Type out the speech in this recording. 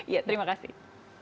iya terima kasih